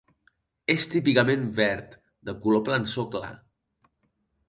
És típicament verd, de color plançó clar.